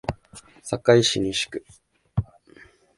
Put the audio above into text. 堺市西区